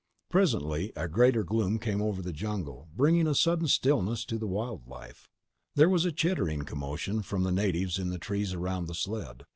Presently, a greater gloom came over the jungle, bringing a sudden stillness to the wild life. There was a chittering commotion from the natives in the trees around the sled.